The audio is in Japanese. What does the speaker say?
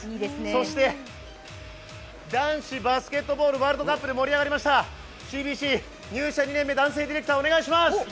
そして男子バスケットボールワールドカップで盛り上がりました、ＣＢＣ、入社２年目、男性ディレクター、お願いします。